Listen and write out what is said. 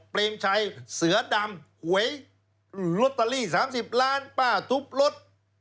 เปรมชัยเสือดำหวยลอตเตอรี่๓๐ล้านป้าทุบรถ